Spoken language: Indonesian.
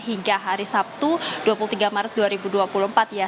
hingga hari sabtu dua puluh tiga maret dua ribu dua puluh empat ya